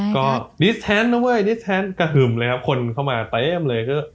ก็ดิสแทนนะเว้ยดิสแทนกระหึ่มเลยครับคนเข้ามาเต็มเลย